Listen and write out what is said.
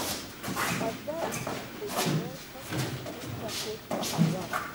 خټګر د دېوال خښته په خښته پورته کاوه.